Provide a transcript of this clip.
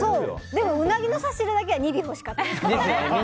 でもウナギの差し入れだけは２尾欲しかった。